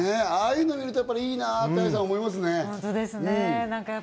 ああいうのを見ると、いいなって思いますね、愛さん。